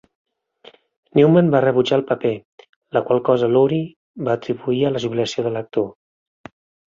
Newman va rebutjar el paper, la qual cosa Lurie va atribuir a la jubilació de l"actor.